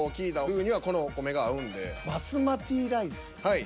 はい。